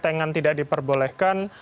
maka ketengan tidak diperbolehkan